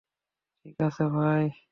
ঠিক আছে ভাই।